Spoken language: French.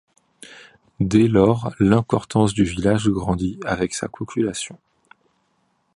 Dès lors l'importance du village grandit avec sa population.